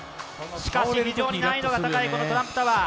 しかし、非常に難易度が高いこのトランプタワー。